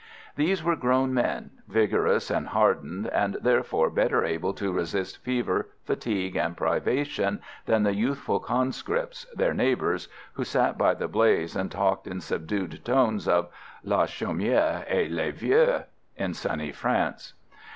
These were grown men, vigorous and hardened, and therefore better able to resist fever, fatigue and privation than the youthful conscripts, their neighbours, who sat by the blaze and talked in subdued tones of "la chaumière et les vieux" in sunny France.